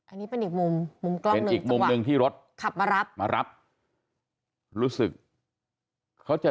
อันนี้เป็นอีกมุมมุมกล้องอีกมุมที่รถขับมารับรู้สึกเขาจะ